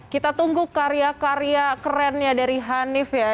kita tunggu karya karya kerennya dari hanif ya